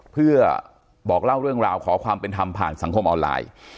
เพื่อบอกเล่าเรื่องราวขอความเป็นธรรมผ่านสังคมออนไลน์